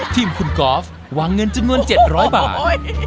ทีมคุณกอล์ฟวางเงินจำนวน๗๐๐บาท